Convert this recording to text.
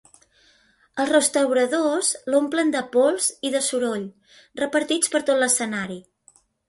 Els restauradors l'omplen de pols i de soroll, repartits per tot l'escenari.